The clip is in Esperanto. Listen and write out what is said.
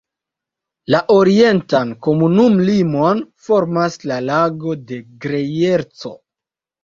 La orientan komunumlimon formas la Lago de Grejerco.